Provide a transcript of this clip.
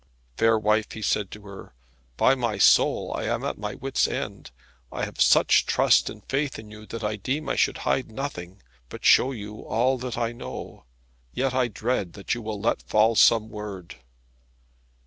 "Fair wife," he said to her, "by my soul I am at my wits' end. I have such trust and faith in you that I deem I should hide nothing, but show you all that I know. Yet I dread that you will let fall some word.